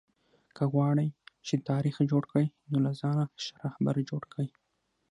که غواړى، چي تاریخ جوړ کى؛ نو له ځانه ښه راهبر جوړ کئ!